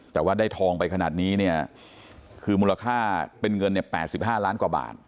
แต่ว่าได้ทองไปขนาดนี้เนี่ยคือมูลค่าเป็นเงินเนี่ย๘๕ล้านกว่าบาท